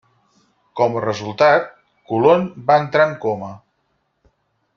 Com a resultat, Colón va entrar en coma.